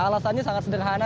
alasannya sangat sederhana